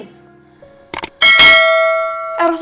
er semua buka uang